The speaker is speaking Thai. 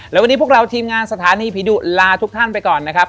และวันนี้พวกเราทีมงานสถานีผีดุลาทุกท่านไปก่อนนะครับ